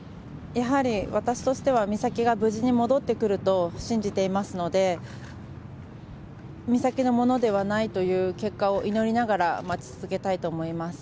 やはり、私としては美咲が無事に戻ってくると信じていますので、美咲のものではないという結果を祈りながら、待ち続けたいと思います。